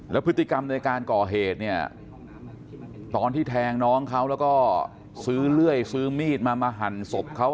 แล้วพฤติกรรมในการก่อเหตุเนี่ยตอนที่แทงน้องเขาแล้วก็ซื้อเลื่อยซื้อมีดมามาหั่นศพเขา